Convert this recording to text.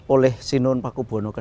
oleh sinun pakubono ii